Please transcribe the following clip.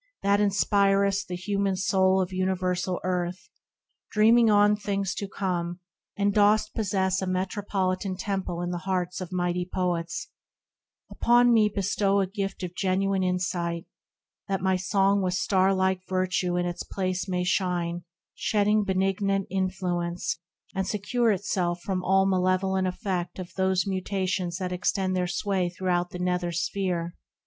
that inspir'st The human Soul of universal earth, Dreaming on things to come ; and dost possess A metropolitan temple in the hearts Of mighty Poets ; upon me bestow A gift of genuine insight ; that my Song With star like virtue in its place may shine, Shedding benignant influence, and secure Itself from all malevolent effect Of those mutations that extend their sway Throughout the nether sphere